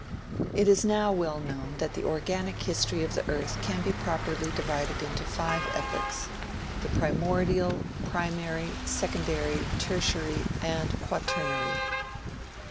"It is now well known that the organic history of the earth can be properly divided into five epochs the Primordial, Primary, Secondary, Tertiary, and Quaternary.